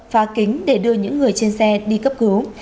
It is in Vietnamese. phá kính để đưa những người trên xe đi cấp cứu